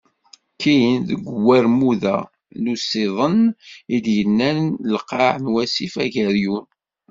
Kkin deg warmud-a n usiḍen i d-yellan lqaɛ n wasif Ageryun.